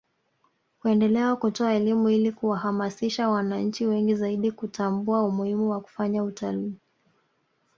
kuendelea kutoa elimu ili kuwahamasisha wananchi wengi zaidi kutambua umuhimu wa kufanya utalii